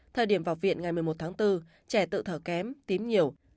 thời điểm vào viện ngày một mươi một tháng bốn trẻ tự thở kém tím nhiều